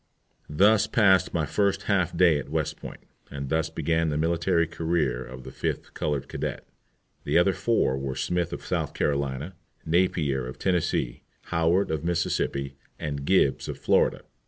Thus passed my first half day at West Point, and thus began the military career of the fifth colored cadet. The other four were Smith of South Carolina, Napier of Tennessee, Howard of Mississippi, and Gibbs of Florida.